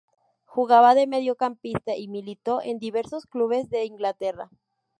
Jugaba de mediocampista y militó en diversos clubes de Inglaterra.